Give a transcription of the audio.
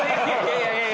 いやいや。